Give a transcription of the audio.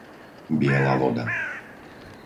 Biela voda